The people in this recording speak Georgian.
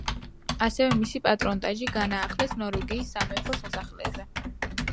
ასევე მისი პატრონაჟით განაახლეს ნორვეგიის სამეფო სასახლე.